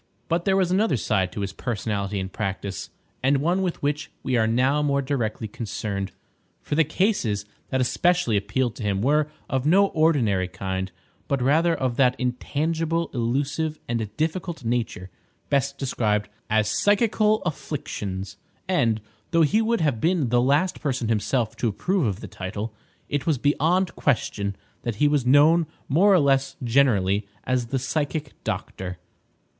But there was another side to his personality and practice, and one with which we are now more directly concerned; for the cases that especially appealed to him were of no ordinary kind, but rather of that intangible, elusive, and difficult nature best described as psychical afflictions; and, though he would have been the last person himself to approve of the title, it was beyond question that he was known more or less generally as the "Psychic Doctor."